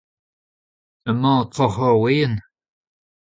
Emañ o troc'hañ ur wezenn ?